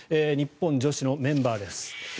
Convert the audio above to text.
日本女子のメンバーです。